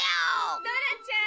ドラちゃん